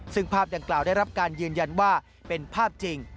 ซึ่งภาพดังกล่าวได้รับการยืนยันว่าเป็นภาพจริง